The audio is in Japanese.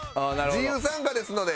自由参加ですので。